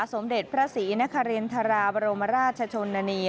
สมเด็จพระศรีนครินทราบรมราชชนนานี